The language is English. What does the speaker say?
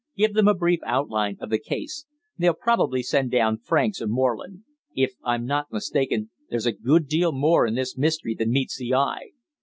Give them a brief outline of the case. They'll probably send down Franks or Moreland. If I'm not mistaken, there's a good deal more in this mystery than meets the eye."